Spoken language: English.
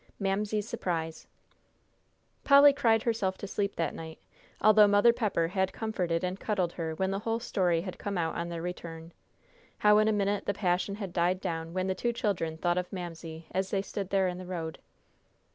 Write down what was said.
X MAMSIE'S SURPRISE Polly cried herself to sleep that night, although Mother Pepper had comforted and cuddled her when the whole story had come out on their return; how in a minute the passion had died down when the two children thought of Mamsie as they stood there in the road.